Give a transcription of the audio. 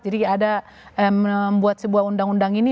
jadi ada membuat sebuah undang undang ini